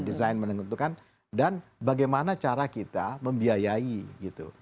desain menentukan dan bagaimana cara kita membiayai gitu